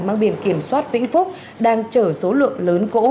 mang biển kiểm soát vĩnh phúc đang chở số lượng lớn gỗ